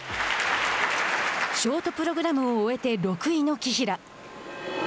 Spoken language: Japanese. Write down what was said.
ショートプログラムを終えて６位の紀平。